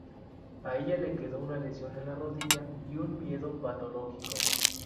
A ella le quedó una lesión en la rodilla y un miedo patológico.